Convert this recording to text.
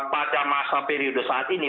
pada masa periode saat ini